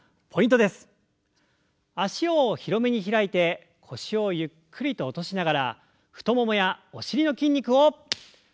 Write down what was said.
脚を広めに開いて腰をゆっくりと落としながら太ももやお尻の筋肉を刺激していきましょう。